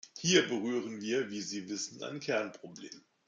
Hier berühren wir, wie Sie wissen, ein Kernproblem.